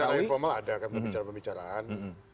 secara informal ada kan pembicaraan pembicaraan